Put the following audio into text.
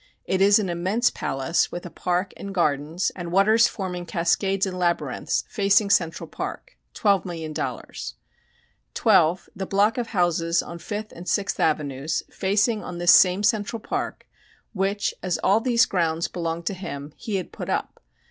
It is an immense palace, with a park and gardens, and waters forming cascades and labyrinths, facing Central Park 12,000,000.00 12 The block of houses on Fifth and Sixth Avenues, facing on this same Central Park, which, as all these grounds belong to him, he had put up.